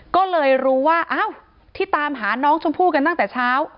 ก็เลยรู้ว่าอ้าวที่ตามหาน้องชมพู่กันตั้งแต่เช้า